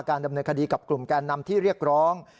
ดำเนินคดีกับกลุ่มแกนนำที่เรียกร้อง